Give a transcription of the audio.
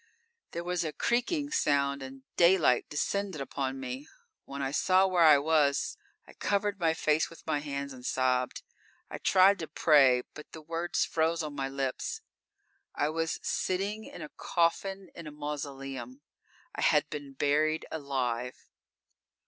"_ _There was a creaking sound and daylight descended upon me. When I saw where I was, I covered my face with my hands and sobbed. I tried to pray, but the words froze on my lips._ I was sitting in a coffin in a mausoleum! I had been buried alive!